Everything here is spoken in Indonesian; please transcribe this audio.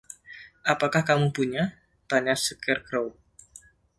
Apakah kamu punya? tanya Scarecrow.